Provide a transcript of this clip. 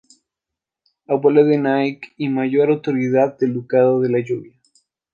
Abuela de Nike y mayor autoridad del Ducado de la Lluvia.